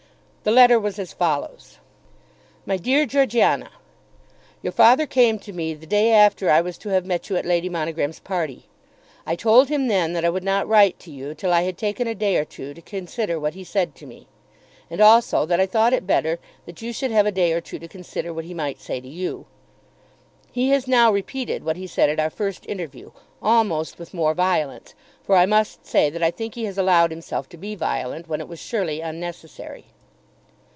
The letter was as follows: MY DEAR GEORGIANA, Your father came to me the day after I was to have met you at Lady Monogram's party. I told him then that I would not write to you till I had taken a day or two to consider what he said to me; and also that I thought it better that you should have a day or two to consider what he might say to you. He has now repeated what he said at our first interview, almost with more violence; for I must say that I think he has allowed himself to be violent when it was surely unnecessary.